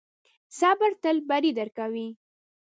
صبر تل بری درکوي.